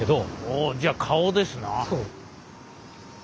おじゃあ顔ですな。